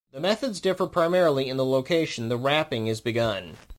The methods differ primarily in the location the wrapping is begun.